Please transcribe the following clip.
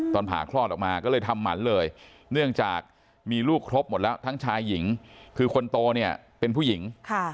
ผ่าคลอดออกมาก็เลยทำหมันเลยเนื่องจากมีลูกครบหมดแล้วทั้งชายหญิงคือคนโตเนี่ยเป็นผู้หญิง